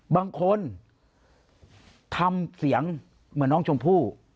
บางคนทำเสียงเหมือนน้องชมพู่